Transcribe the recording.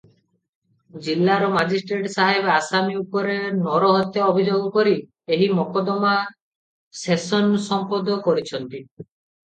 ଜିଲ୍ଲାର ମାଜିଷ୍ଟ୍ରେଟ ସାହେବ ଆସାମୀ ଉପରେ ନରହତ୍ୟା ଅଭିଯୋଗ କରି ଏହି ମକଦ୍ଦମା ସେସନ୍ ସମ୍ପୋଦ କରିଛନ୍ତି ।